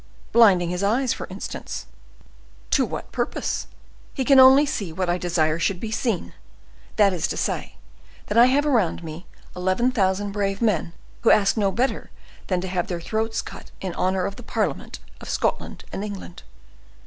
"Blinding his eyes, for instance?" "To what purpose? He can only see what I desire should be seen; that is to say, that I have around me eleven thousand brave men, who ask no better than to have their throats cut in honor of the parliament of Scotland and England."